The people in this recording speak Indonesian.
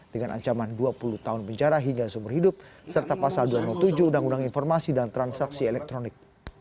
dengan ancaman dua puluh tahun penjara hingga seumur hidup serta pasal dua ratus tujuh undang undang informasi dan transaksi elektronik